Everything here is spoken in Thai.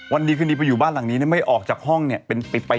วันดีคืนดีไปอยู่บ้านหลังนี้ไม่ออกจากห้องเนี่ยเป็นปิดไป